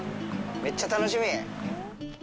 めっちゃ楽しみ。